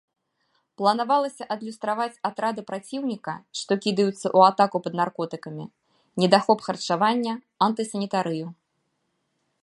Планавалася адлюстраваць атрады праціўніка, што кідаюцца ў атаку пад наркотыкамі, недахоп харчавання, антысанітарыю.